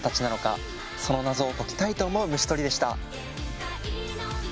その謎を解きたいと思う虫とりでした。